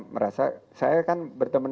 merasa saya kan berteman